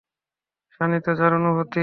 শানিত যাঁর অনুভূতি।